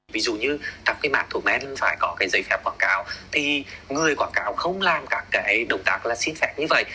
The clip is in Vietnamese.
ví dụ như các cái mảng thuốc men phải có cái giấy phép quảng cáo thì người quảng cáo không làm các cái động tác là xin phép như vậy